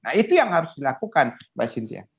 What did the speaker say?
nah itu yang harus dilakukan mbak cynthia